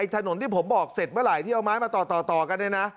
ถนนที่ผมบอกเสร็จเมื่อไหร่ที่เอาไม้มาต่อกันเนี่ยนะ